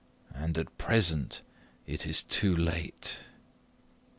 and at present it is too late."